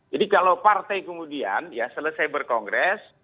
jadi kalau partai kemudian ya selesai berkongres